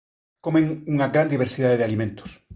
Comen unha gran diversidade de alimentos.